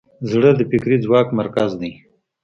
زړه د فکري ځواک مرکز دی.